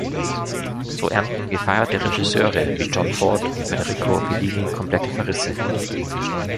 So ernten gefeierte Regisseure wie John Ford und Federico Fellini komplette Verrisse.